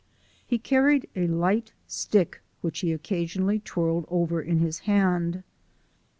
He carried a light stick, which he occasionally twirled over in his hand.